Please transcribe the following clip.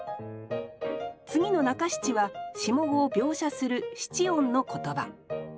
次の中七は下五を描写する七音の言葉。